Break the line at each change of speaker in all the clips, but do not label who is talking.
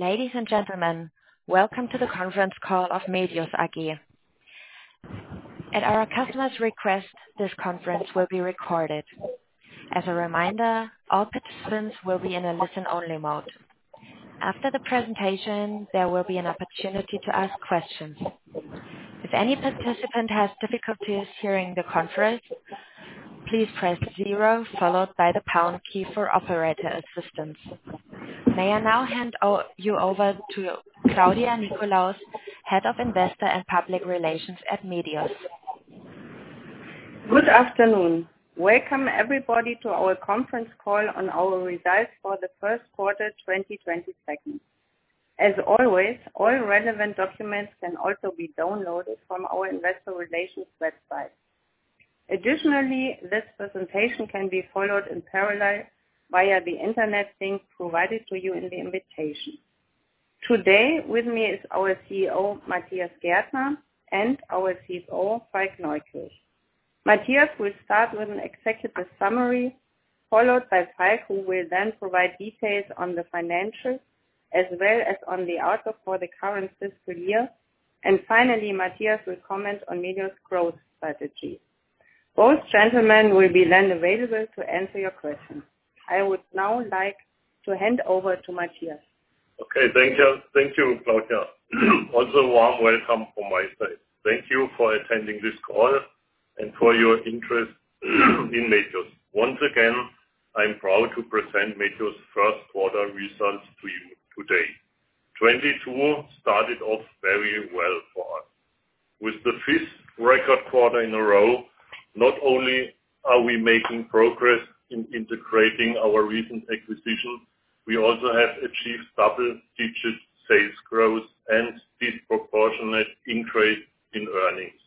Ladies and gentlemen, welcome to the conference call of Medios AG. At our customer's request, this conference will be recorded. As a reminder, all participants will be in a listen-only mode. After the presentation, there will be an opportunity to ask questions. If any participant has difficulties hearing the conference, please press zero followed by the pound key for operator assistance. May I now hand you over to Claudia Nickolaus, Head of Investor and Public Relations at Medios.
Good afternoon. Welcome, everybody, to our conference call on our results for the first quarter, 2022. As always, all relevant documents can also be downloaded from our investor relations website. Additionally, this presentation can be followed in parallel via the internet link provided to you in the invitation. Today, with me is our CEO, Matthias Gärtner, and our CFO, Falk Neukirch. Matthias will start with an executive summary, followed by Falk, who will then provide details on the financials as well as on the outlook for the current fiscal year. Finally, Matthias will comment on Medios' growth strategy. Both gentlemen will be then available to answer your questions. I would now like to hand over to Matthias.
Okay. Thank you, thank you, Claudia. Also, a warm welcome from my side. Thank you for attending this call and for your interest in Medios. Once again, I'm proud to present Medios' first quarter results to you today. 2022 started off very well for us. With the fifth record quarter in a row, not only are we making progress in integrating our recent acquisition, we also have achieved double-digit sales growth and a disproportionate increase in earnings.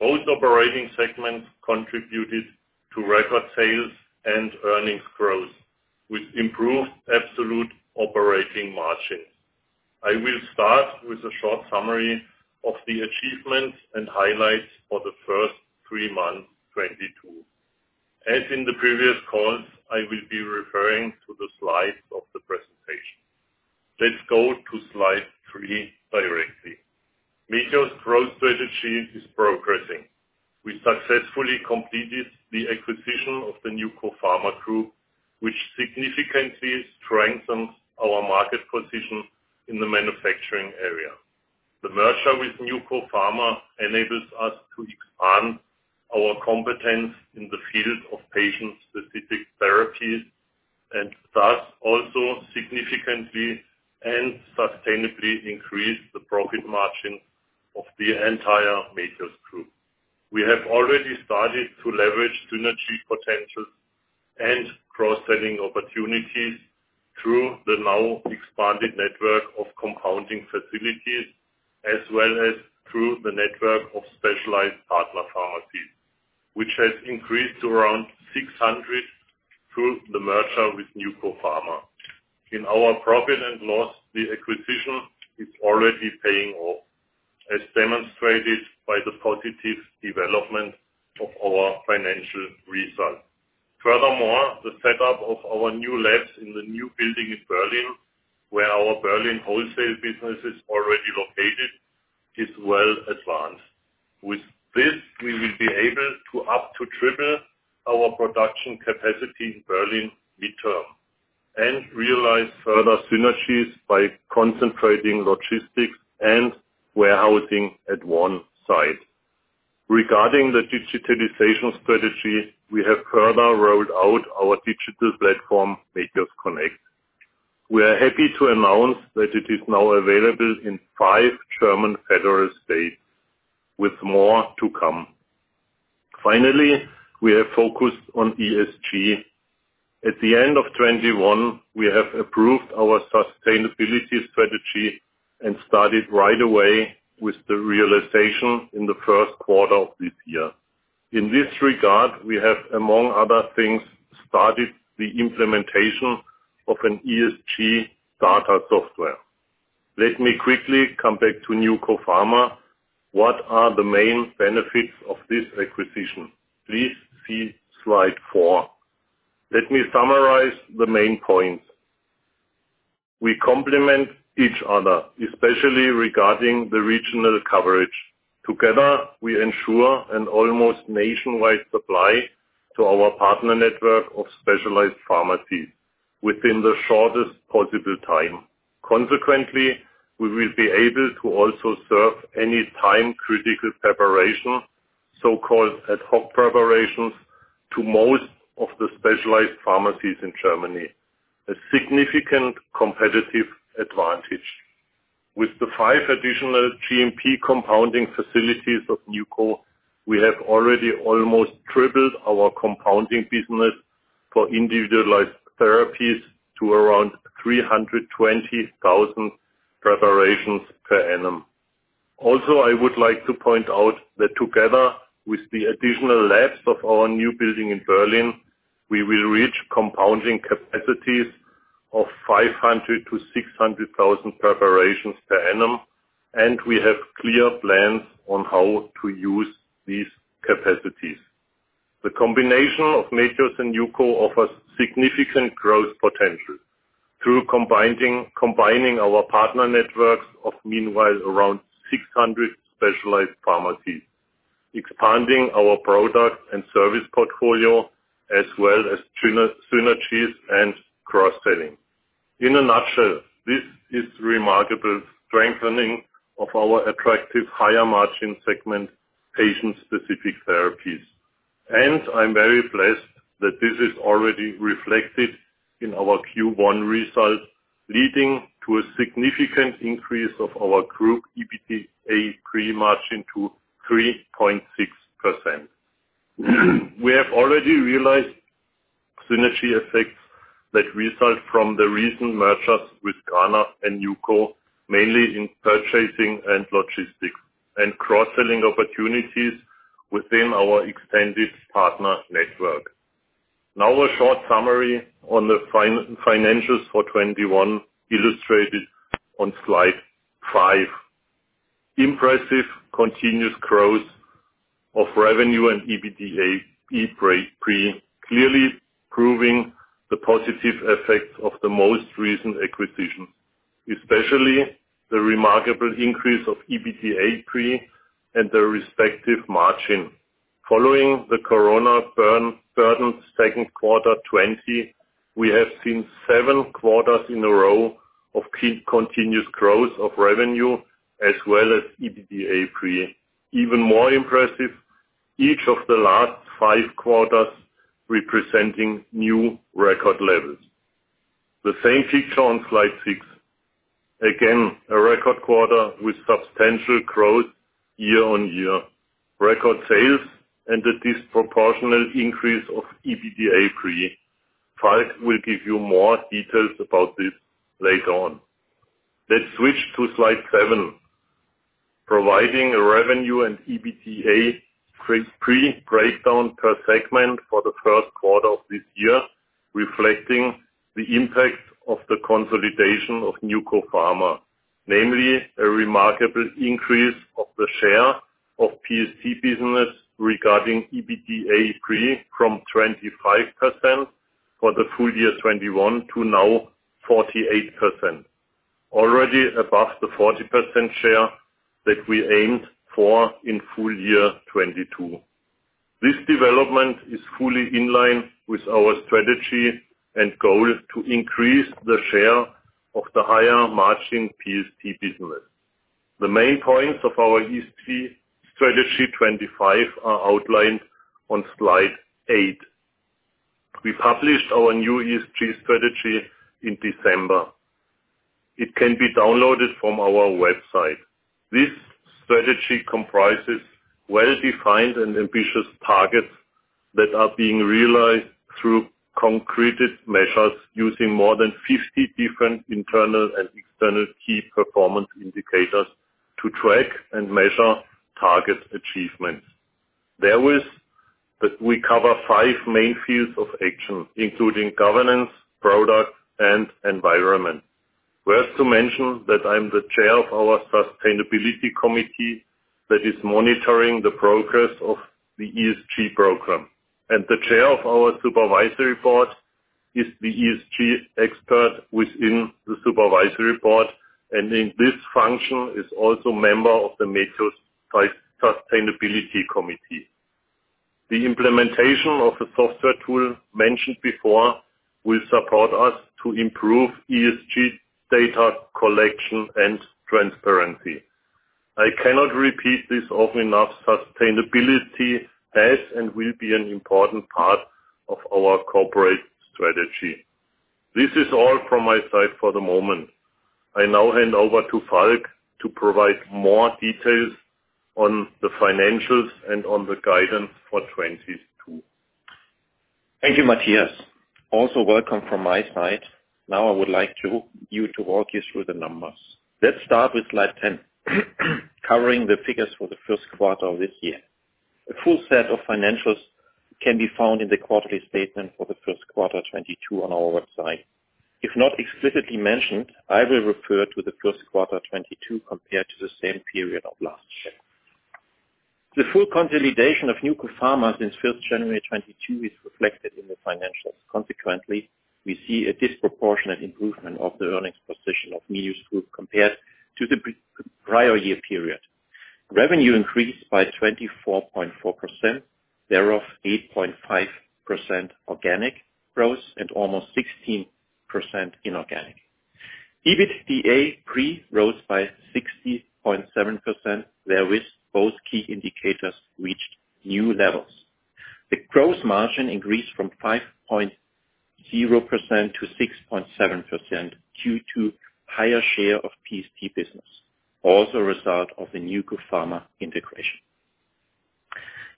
Both operating segments contributed to record sales and earnings growth, with improved absolute operating margins. I will start with a short summary of the achievements and highlights for the first three months, 2022. As in the previous calls, I will be referring to the slides of the presentation. Let's go to slide three directly. Medios' growth strategy is progressing. We successfully completed the acquisition of the NewCo Pharma Group, which significantly strengthens our market position in the manufacturing area. The merger with NewCo Pharma enables us to expand our competence in the field of patient-specific therapies, and thus also significantly and sustainably increase the profit margin of the entire Medios Group. We have already started to leverage synergy potential and cross-selling opportunities through the now expanded network of compounding facilities, as well as through the network of specialized partner pharmacies, which has increased to around 600 through the merger with NewCo Pharma. In our profit and loss, the acquisition is already paying off, as demonstrated by the positive development of our financial results. Furthermore, the setup of our new labs in the new building in Berlin, where our Berlin wholesale business is already located, is well advanced. With this, we will be able to up to triple our production capacity in Berlin mid-term, and realize further synergies by concentrating logistics and warehousing at one site. Regarding the digitalization strategy, we have further rolled out our digital platform, mediosconnect. We are happy to announce that it is now available in five German federal states, with more to come. Finally, we are focused on ESG. At the end of 2021, we have approved our sustainability strategy and started right away with the realization in the first quarter of this year. In this regard, we have, among other things, started the implementation of an ESG data software. Let me quickly come back to NewCo Pharma. What are the main benefits of this acquisition? Please see slide four. Let me summarize the main points. We complement each other, especially regarding the regional coverage. Together, we ensure an almost nationwide supply to our partner network of specialized pharmacies within the shortest possible time. Consequently, we will be able to also serve any time-critical preparation, so-called ad hoc preparations, to most of the specialized pharmacies in Germany, a significant competitive advantage. With the five additional GMP compounding facilities of NewCo, we have already almost tripled our compounding business for individualized therapies to around 320,000 preparations per annum. Also, I would like to point out that together with the additional labs of our new building in Berlin, we will reach compounding capacities of 500,000-600,000 preparations per annum, and we have clear plans on how to use these capacities. The combination of Medios and NewCo offers significant growth potential through combining our partner networks of around 600 specialized pharmacies, expanding our product and service portfolio, as well as synergies and cross-selling. In a nutshell, this is a remarkable strengthening of our attractive higher margin segment, patient-specific therapies. I'm very blessed that this is already reflected in our Q1 results, leading to a significant increase of our group EBITDA pre-margin to 3.6%. We have already realized synergy effects that result from the recent mergers with Garner and NewCo, mainly in purchasing and logistics, and cross-selling opportunities within our extended partner network. Now, a short summary on the financial for 2021, illustrated on slide five. Impressive continuous growth of revenue and EBITDA pre clearly proving the positive effects of the most recent acquisition, especially the remarkable increase of EBITDA pre and their respective margin. Following the Corona-burdened second quarter 2020, we have seen seven quarters in a row of key continuous growth of revenue as well as EBITDA pre. Even more impressive, each of the last five quarters representing new record levels. The same feature on slide six. Again, a record quarter with substantial growth year-on-year, record sales, and a disproportionate increase of EBITDA pre. Falk will give you more details about this later on. Let's switch to slide seven, providing a revenue and EBITDA pre-breakdown per segment for the first quarter of this year, reflecting the impact of the consolidation of NewCo Pharma. Namely, a remarkable increase of the share of PST business regarding EBITDA pre from 25% for the full year 2021 to now 48%. Already above the 40% share that we aimed for in full-year 2022. This development is fully in line with our strategy and goal to increase the share of the higher margin PST business. The main points of our ESG strategy 25 are outlined on slide eight. We published our new ESG strategy in December. It can be downloaded from our website. This strategy comprises well-defined and ambitious targets that are being realized through concrete measures using more than 50 different internal and external key performance indicators to track and measure target achievements. That is, we cover five main fields of action, including governance, product, and environment. Worth mentioning that I'm the chair of our sustainability committee that is monitoring the progress of the ESG program, and the chair of our supervisory board is the ESG expert within the supervisory board, and in this function is also a member of the Medios Sustainability Committee. The implementation of the software tool mentioned before will support us to improve ESG data collection and transparency. I cannot repeat this often enough, sustainability has and will be an important part of our corporate strategy. This is all from my side for the moment. I now hand over to Falk Neukirch to provide more details on the financials and on the guidance for 2022.
Thank you, Matthias. Also, welcome from my side. Now I would like to walk you through the numbers. Let's start with slide 10, covering the figures for the first quarter of this year. A full set of financials can be found in the quarterly statement for the first quarter of 2022 on our website. If not explicitly mentioned, I will refer to the first quarter of 2022 compared to the same period of last year. The full consolidation of NewCo Pharma since 1st January 2022 is reflected in the financials. Consequently, we see a disproportionate improvement of the earnings position of Medios Group compared to the pre-prior year period. Revenue increased by 24.4%, thereof 8.5% organic growth and almost 16% inorganic. EBITDA pre rose by 60.7%, therewith both key indicators reached new levels. The gross margin increased from 5.0% to 6.7% due to a higher share of PST business, also a result of the NewCo Pharma integration.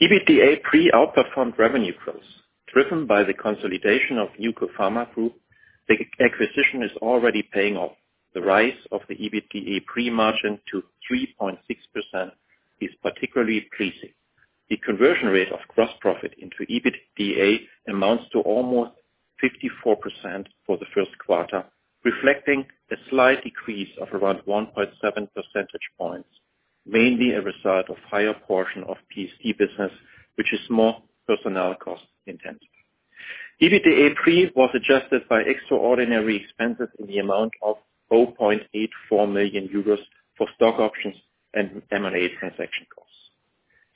EBITDA pre outperformed revenue growth, driven by the consolidation of NewCo Pharma Group. The acquisition is already paying off. The rise of the EBITDA pre-margin to 3.6% is particularly pleasing. The conversion rate of gross profit into EBITDA amounts to almost 54% for the first quarter, reflecting a slight decrease of around 1.7 percentage points, mainly a result of a higher portion of PST business, which is more personnel cost-intensive. EBITDA pre was adjusted by extraordinary expenses in the amount of 4.84 million euros for stock options and M&A transaction costs.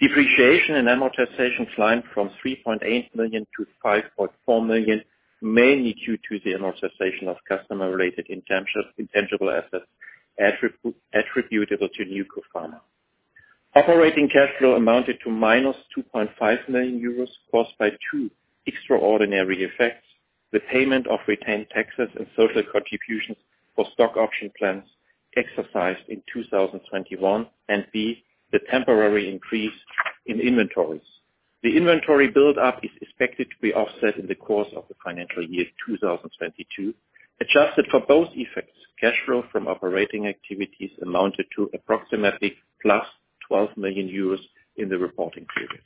Depreciation and amortization climbed from 3.8 million to 5.4 million, mainly due to the amortization of customer-related intangible assets attributable to NewCo Pharma. Operating cash flow amounted to -2.5 million euros, caused by two extraordinary effects, the payment of retained taxes and social contributions for stock option plans exercised in 2021, and B, the temporary increase in inventories. The inventory buildup is expected to be offset in the course of the financial year 2022. Adjusted for both effects, cash flow from operating activities amounted to approximately +12 million euros in the reporting period.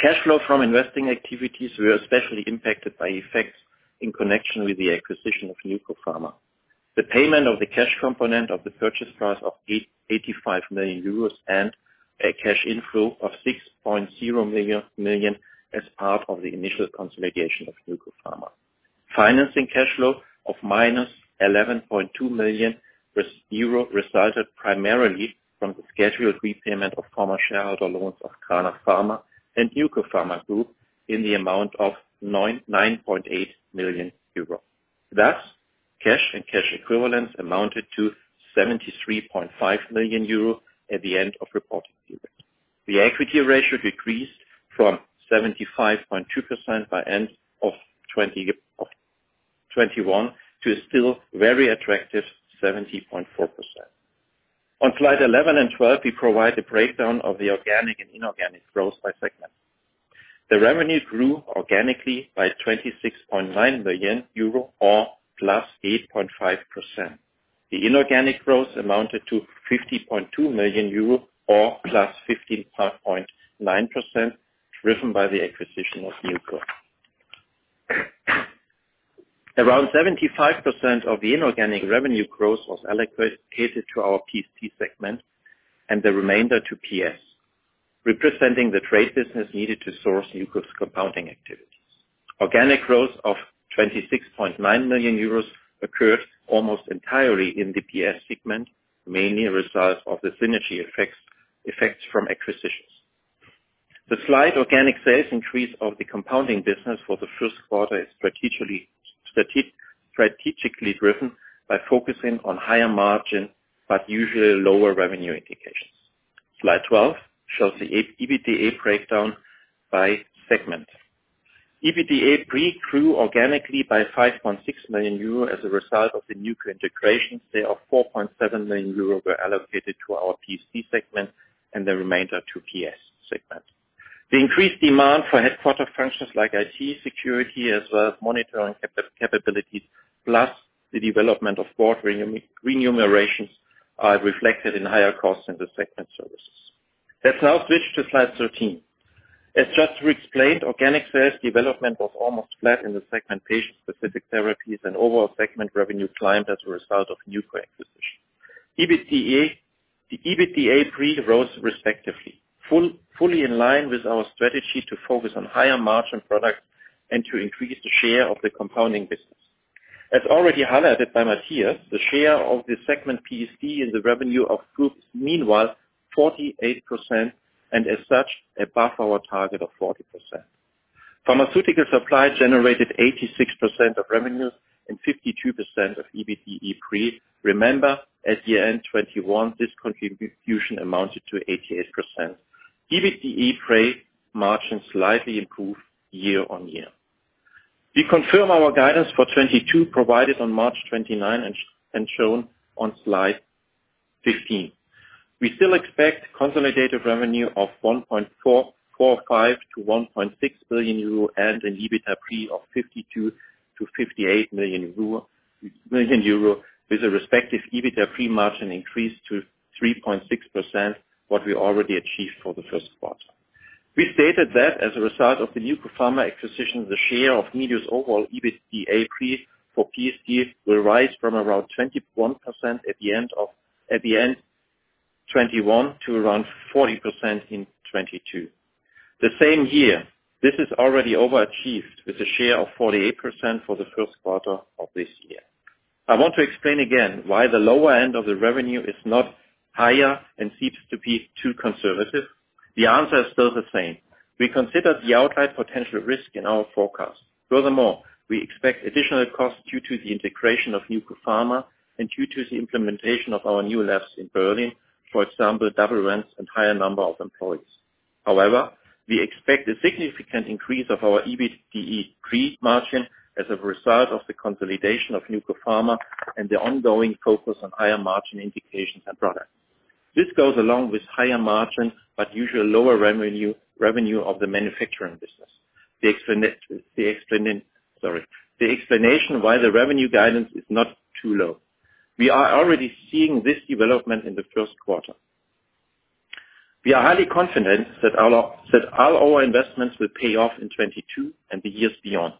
Cash flow from investing activities were especially impacted by effects in connection with the acquisition of NewCo Pharma. The payment of the cash component of the purchase price of 85 million euros and a cash inflow of 6.0 million as part of the initial consolidation of NewCo Pharma. Financing cash flow of -11.2 million euro resulted primarily from the scheduled repayment of former shareholder loans of Cranach Pharma and NewCo Pharma Group in the amount of 9.8 million euro. Thus, cash and cash equivalents amounted to 73.5 million euro at the end of the reporting period. The equity ratio decreased from 75.2% by end of 2021 to a still very attractive 70.4%. On slide 11 and 12, we provide a breakdown of the organic and inorganic growth by segment. The revenue grew organically by 26.9 million euro or +8.5%. The inorganic growth amounted to 50.2 million euro or +15.9%, driven by the acquisition of NewCo. Around 75% of the inorganic revenue growth was allocated to our PST segment and the remainder to PS, representing the trade business needed to source NewCo's compounding activities. Organic growth of 26.9 million euros occurred almost entirely in the PS segment, mainly a result of the synergy effects from acquisitions. The slight organic sales increase of the compounding business for the first quarter is strategically driven by focusing on higher margin, but usually lower revenue indications. Slide 12 shows the EBITDA breakdown by segment. EBITDA pre grew organically by 5.6 million euro as a result of the NewCo integration. Sales of 4.7 million euro were allocated to our PST segment and the remainder to PS segment. The increased demand for headquarters functions like IT security as well as monitoring capabilities, plus the development of board remunerations are reflected in higher costs in the Services segment. Let's now switch to slide 13. As just explained, organic sales development was almost flat in the Patient-Specific Therapies segment, and overall segment revenue climbed as a result of NewCo acquisition. EBITDA, the EBITDA pre rose fully in line with our strategy to focus on higher margin products and to increase the share of the compounding business. As already highlighted by Matthias, the share of the PST segment in the revenue of the Group meanwhile 48% and as such above our target of 40%. Pharmaceutical Supply generated 86% of revenue and 52% of EBITDA pre. Remember, at the end of 2021, this contribution amounted to 88%. EBITDA pre-margins slightly improved year-over-year. We confirm our guidance for 2022, provided on March 29 and shown on slide 15. We still expect consolidated revenue of 1.445 billion-1.6 billion euro and an EBITDA pre of 52 million-58 million euro with a respective EBITDA pre-margin increase to 3.6%, what we already achieved for the first quarter. We stated that as a result of the NewCo Pharma acquisition, the share of Medios' overall EBITDA pre for PST will rise from around 21% at the end of 2021 to around 40% in 2022. The same year, this is already overachieved with a share of 48% for the first quarter of this year. I want to explain again why the lower end of the revenue is not higher and seems to be too conservative. The answer is still the same. We consider the outright potential risk in our forecast. Furthermore, we expect additional costs due to the integration of NewCo Pharma and due to the implementation of our new labs in Berlin, for example, double rents and higher number of employees. However, we expect a significant increase of our EBITDA pre-margin as a result of the consolidation of NewCo Pharma and the ongoing focus on higher margin indications and products. This goes along with a higher margin, but usually lower revenue of the manufacturing business. The explanation why the revenue guidance is not too low. We are already seeing this development in the first quarter. We are highly confident that all our investments will pay off in 2022 and the years beyond.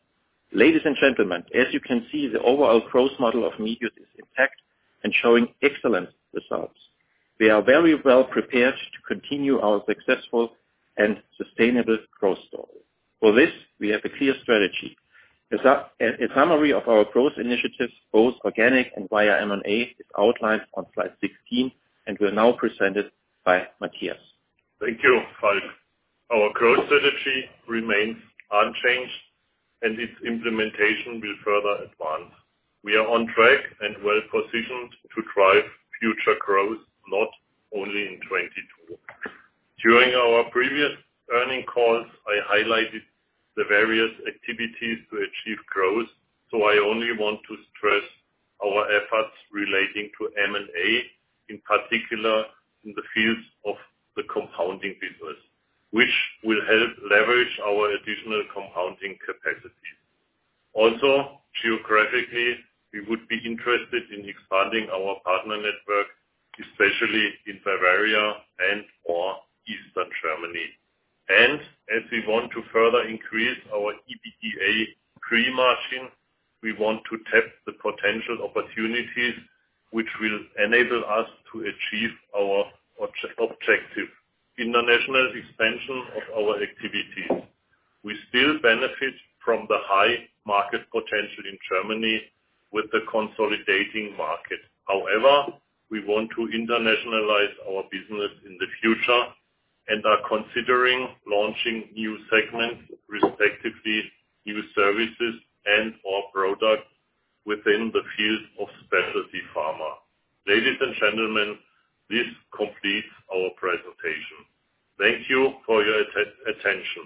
Ladies and gentlemen, as you can see, the overall growth model of Medios is intact and showing excellent results. We are very well prepared to continue our successful and sustainable growth story. For this, we have a clear strategy. A summary of our growth initiatives, both organic and via M&A, is outlined on slide 16, and will now be presented by Matthias.
Thank you, Falk. Our growth strategy remains unchanged, and its implementation will further advance. We are on track and well-positioned to drive future growth, not only in 2022. During our previous earnings calls, I highlighted the various activities to achieve growth, so I only want to stress our efforts relating to M&A, in particular in the fields of the compounding business, which will help leverage our additional compounding capacity. Also, geographically, we would be interested in expanding our partner network, especially in Bavaria and/or Eastern Germany. As we want to further increase our EBITDA pre-margin, we want to test the potential opportunities which will enable us to achieve our objective. International expansion of our activities. We still benefit from the high market potential in Germany with the consolidating market. However, we want to internationalize our business in the future and are considering launching new segments, respectively, new services and/or products within the field of specialty pharma. Ladies and gentlemen, this completes our presentation. Thank you for your attention.